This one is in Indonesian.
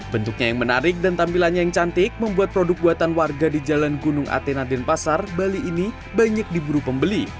bentuknya yang menarik dan tampilannya yang cantik membuat produk buatan warga di jalan gunung atena denpasar bali ini banyak diburu pembeli